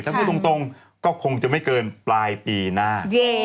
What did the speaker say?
ถ้าพูดตรงก็คงจะไม่เกินปลายปีหน้า